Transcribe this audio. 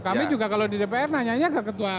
kami juga kalau di dpr nanyanya ke ketua